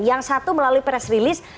yang satu melalui press release